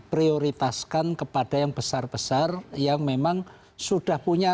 prioritaskan kepada yang besar besar yang memang sudah punya